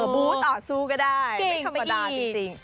บู๊ตต่อสู้ก็ได้